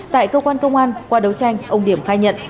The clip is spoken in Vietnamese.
tại cơ quan công an qua đấu tranh ông điểm khai nhận